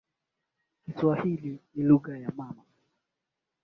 Kiswahili ni lugha ya mama